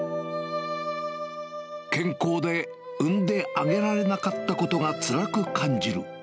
健康で産んであげられなかったことがつらく感じる。